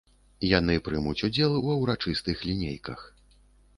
Яны прымуць удзел ва ўрачыстых лінейках.